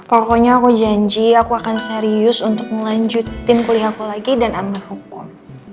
pokoknya aku janji aku akan serius untuk melanjutin kuliah aku lagi dan ambil hukum